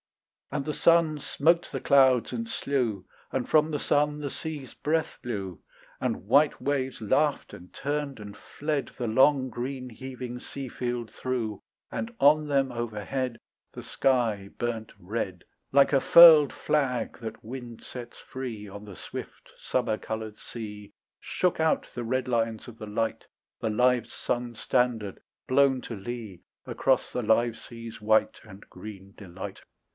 And the sun smote the clouds and slew, And from the sun the sea's breath blew, And white waves laughed and turned and fled The long green heaving sea field through, And on them overhead The sky burnt red Like a furled flag that wind sets free, On the swift summer coloured sea Shook out the red lines of the light, The live sun's standard, blown to lee Across the live sea's white And green delight.